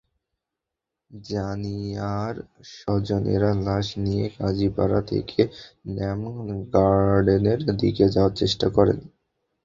জানিয়ার স্বজনেরা লাশ নিয়ে কাজীপাড়া থেকে ন্যাম গার্ডেনের দিকে যাওয়ার চেষ্টা করেন।